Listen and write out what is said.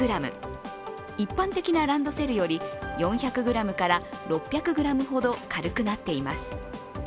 一般的なランドセルより４００ｇから６００ｇほど軽くなっています。